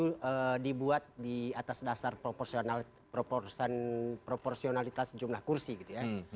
itu dibuat di atas dasar proporsionalitas jumlah kursi gitu ya